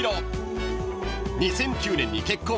［２００９年に結婚］